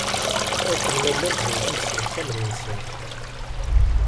Akken ma llant zewjent s yixxamen-nsent.